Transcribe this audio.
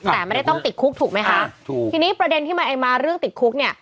แต่ไม่ได้ต้องติดคุกถูกไหมคะถูกทีนี้ประเด็นที่มาไอมาเรื่องติดคุกเนี่ย